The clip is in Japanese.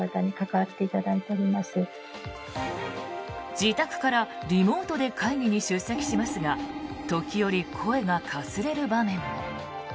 自宅からリモートで会議に出席しますが時折、声がかすれる場面も。